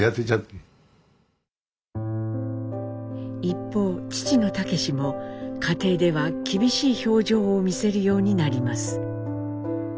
一方父の武も家庭では厳しい表情を見せるようになります。